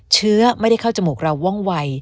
เชื้อไม่ได้เข้าจมูกเราว่องวัย